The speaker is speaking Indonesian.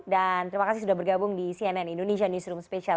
dan terima kasih sudah bergabung di cnn indonesia newsroom special